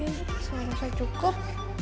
ini semua rasa cukup